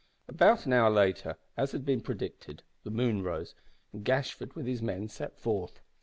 About an hour later, as had been predicted, the moon rose, and Gashford with his men set forth.